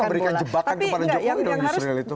jadi memberikan jebakan kepada jokowi dong yusrel itu